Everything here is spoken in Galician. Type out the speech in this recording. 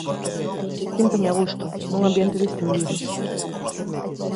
Síntome a gusto, nun ambiente distendido.